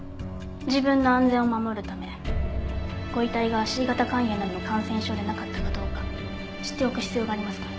自分の安全を守るためご遺体がＣ型肝炎などの感染症でなかったかどうか知っておく必要がありますから。